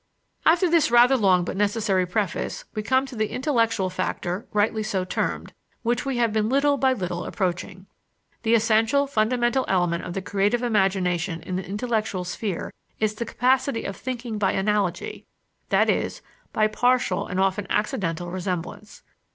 After this rather long but necessary preface, we come to the intellectual factor rightly so termed, which we have been little by little approaching. The essential, fundamental element of the creative imagination in the intellectual sphere is the capacity of thinking by analogy; that is, by partial and often accidental resemblance.